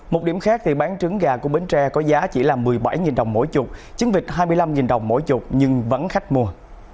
một điểm khác thì bán trứng gà của bến tre có giá chỉ là một mươi bảy đồng mỗi chục trứng vịt hai mươi năm đồng mỗi chục nhưng vẫn khách mua